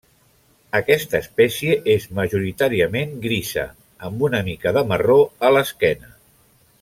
Aquesta espècie és majoritàriament grisa, amb una mica de marró a l'esquena.